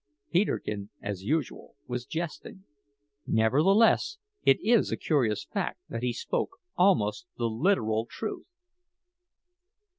Peterkin, as usual, was jesting; nevertheless, it is a curious fact that he spoke almost the literal truth.